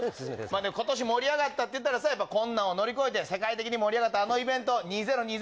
ことし、盛り上がったっていったら、困難を乗り越えて世界的に盛り上がったあのイベント、２０２０。